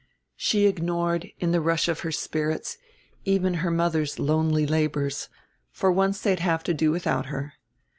She ignored, in the rush of her spirits, even her mother's lonely labors: for once they'd have to do without her.